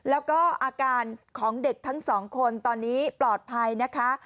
แล้วก็อาการของเด็กทั้งสองคนตอนนี้ปลอดภัยนะคะ